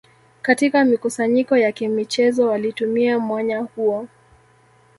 Katika mikusanyiko ya kimichezo walitumia mwanya huo